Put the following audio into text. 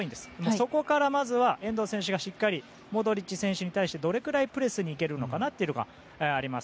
そこから、まずは遠藤選手がしっかりモドリッチ選手に対してどれくらいプレスにいけるのかというのがあります。